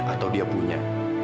atau dia punya